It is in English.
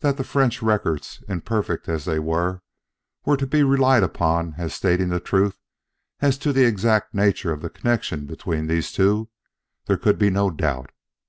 That the French records, imperfect as they were, were to be relied upon as stating the truth as to the exact nature of the connection between these two, there could be no doubt.